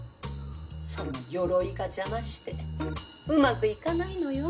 そのよろいが邪魔してうまくいかないのよ。